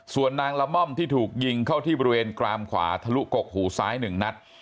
ส่วนนางละม่อมที่ถูกยิงเข้าที่บริเวณกรามขวาทะลุกกหูซ้าย๑นัด